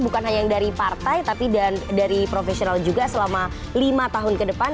bukan hanya yang dari partai tapi dari profesional juga selama lima tahun ke depan